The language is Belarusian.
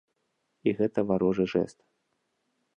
І гэта варожы жэст.